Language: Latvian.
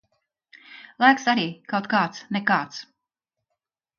Laiks arī kaut kāds nekāds.